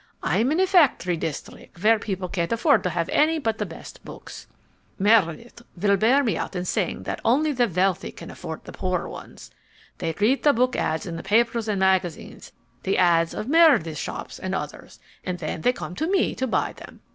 I'm in a factory district, where people can't afford to have any but the best books. (Meredith will bear me out in saying that only the wealthy can afford the poor ones.) They read the book ads in the papers and magazines, the ads of Meredith's shop and others, and then they come to me to buy them.